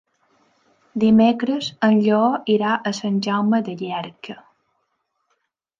Dimecres en Lleó irà a Sant Jaume de Llierca.